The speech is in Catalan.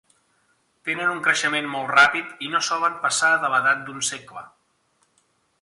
Tenen un creixement molt ràpid i no solen passar de l'edat d'un segle.